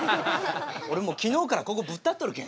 俺もう昨日からここぶっ立っとるけ。